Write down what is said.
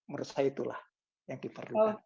menurut saya itulah yang diperlukan